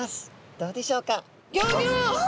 どうでしょうか。